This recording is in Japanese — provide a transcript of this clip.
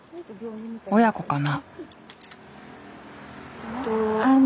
親子かな？